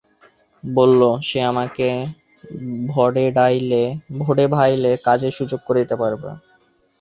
বলল, সে আমাকে ভডেভাইলে কাজের সুযোগ করে দিতে পারবে।